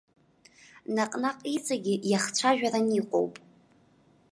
Наҟ-наҟ иҵегьы иахцәажәаран иҟоуп.